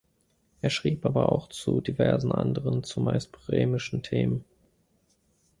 Er schrieb aber auch zu diversen anderen zumeist bremischen Themen.